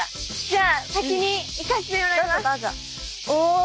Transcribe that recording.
じゃあ先に行かせてもらいます。